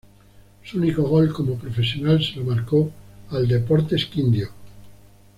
Su único gol como profesional se lo marcó al Deportes Quindio.